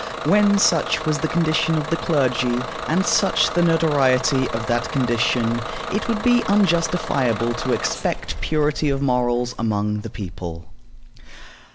When such was the condition of the clergy, and such the notoriety of that condition, it would be unjustifiable to expect purity of morals among the people.